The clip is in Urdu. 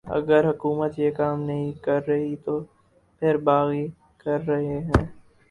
اگر حکومت یہ کام نہیں کررہی تو پھر باغی کررہے ہیں